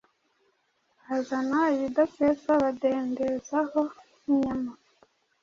bazana ibidasesa badendezaho inyama